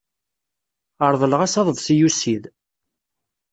Reḍleɣ-as aḍebsi ussid.